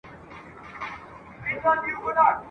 یوه ورځ به داسي راسي مدرسه به پوهنتون وي !.